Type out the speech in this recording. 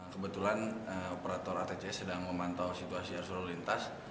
kebetulan operator atcs sedang memantau situasi arus lalu lintas